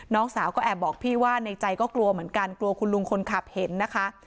น้องสาวก็แอบบอกพี่ว่าในใจก็กลัวเหมือนกันกลัวคุณลุงคนขับเห็นนะคะ